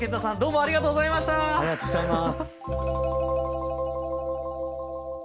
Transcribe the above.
ありがとうございます。